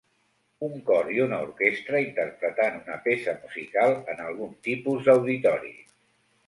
Un cor i una orquestra interpretant una peça musical en algun tipus d'auditori